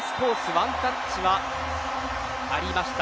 ワンタッチはありました。